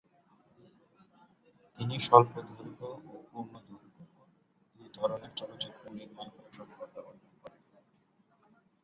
তিনি স্বল্পদৈর্ঘ্য ও পূর্ণদৈর্ঘ্য দুই ধরনের চলচ্চিত্র নির্মাণ করে সফলতা অর্জন করেন।